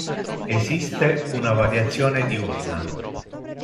Esiste una variazione diurna.